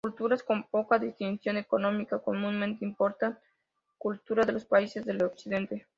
Culturas con poca distinción económica comúnmente importan cultura de los países del occidente.